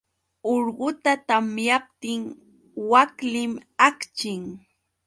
Urquta tamyaptin waklim akchin.